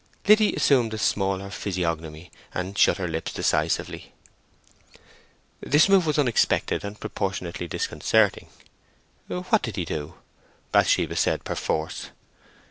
Liddy assumed a smaller physiognomy, and shut her lips decisively. This move was unexpected, and proportionately disconcerting. "What did he do?" Bathsheba said perforce.